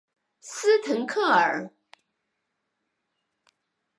斯滕克尔。